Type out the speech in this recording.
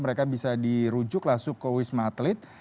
mereka bisa dirujuk langsung ke wisma atlet